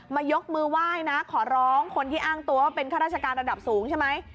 ยกมือไหว้นะขอร้องคนที่อ้างตัวว่าเป็นข้าราชการระดับสูงใช่ไหม